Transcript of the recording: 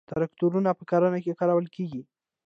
تراکتورونه په کرنه کې کارول کیږي.